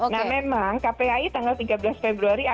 nah memang kpai tanggal tiga belas februari